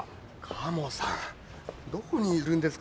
カモさんどこにいるんですか？